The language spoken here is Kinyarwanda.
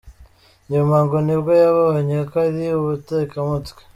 Nyuma ngo nibwo yabonye ko ari ubutekamutwe.